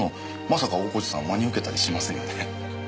まさか大河内さん真に受けたりしませんよね？